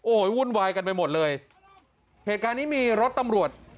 โอ้โหวุ่นวายกันไปหมดเลยเหตุการณ์นี้มีรถตำรวจ